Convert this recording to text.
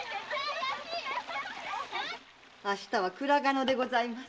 明日は倉賀野でございます。